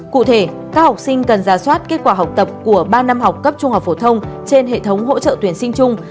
cụ thể các học sinh cần ra soát kết quả học tập của ba năm học cấp trung học phổ thông trên hệ thống hỗ trợ tuyển sinh chung